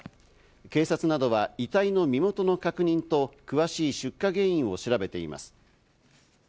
警察などは遺体の身元の確認と詳しい出火原因を調べています。